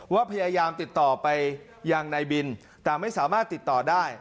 ว่าพยายามติดต่อไปยังนายบินแต่ไม่สามารถติดต่อได้